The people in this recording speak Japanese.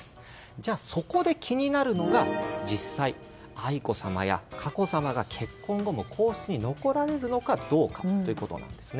じゃあ、そこで気になるのが実際、愛子さまや佳子さまが結婚後も皇室に残られるのかどうかということなんです。